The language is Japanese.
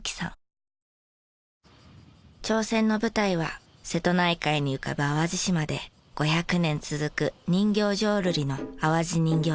挑戦の舞台は瀬戸内海に浮かぶ淡路島で５００年続く人形浄瑠璃の淡路人形座です。